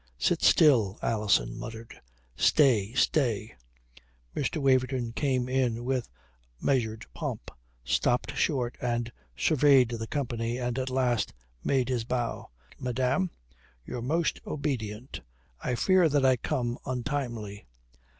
"Sit still," Alison muttered. "Stay, stay." Mr. Waverton came in with measured pomp, stopped short and surveyed the company and at last made his bow. "Madame, your most obedient. I fear that I come untimely."